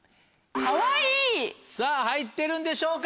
さぁ入ってるんでしょうか？